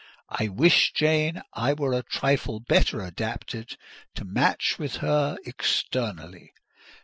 I wish, Jane, I were a trifle better adapted to match with her externally.